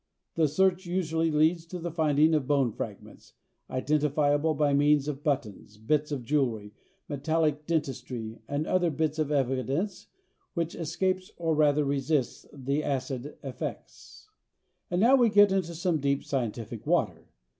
The search usually leads to the finding of bone fragments, identifiable by means of buttons, bits of jewelry, metallic dentistry and other bits of evidence which escapes or rather resists the acid effects. And now we get into some deep scientific water.